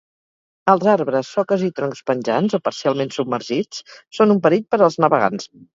Els arbres, soques i troncs penjants o parcialment submergits són un perill per als navegants.